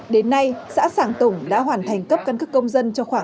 đến nay xã sàng tùng đã hoàn thành cấp căn cước công dân cho khoảng